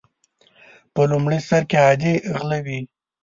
په لومړي سر کې عادي غله وي.